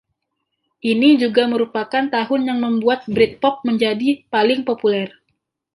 Ini juga merupakan tahun yang membuat Britpop menjadi paling populer.